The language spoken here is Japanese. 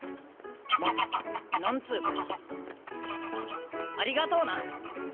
ま何つうかありがとうな！